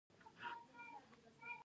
چیني پانګوال په اروپا کې ملکیتونه اخلي.